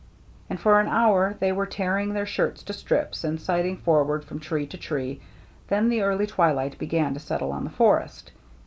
And for an hour they were tearing their shirts to strips, and sighting forward from tree to tree ; then the early twilight began to settle on the forest.